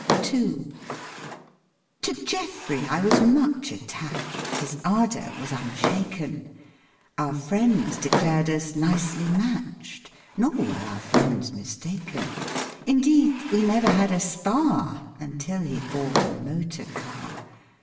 80 MEN I MIGHT HAVE MARRIED II To Geoffrey I was much attached, His ardour was unshaken, Our friends declared us nicely matched, Nor were our friends mistaken. Indeed, we never had a spar Until he bought a motor car.